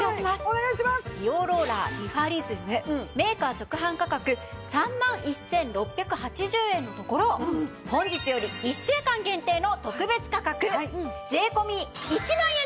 美容ローラーリファリズムメーカー直販価格３万１６８０円のところ本日より１週間限定の特別価格税込１万円です。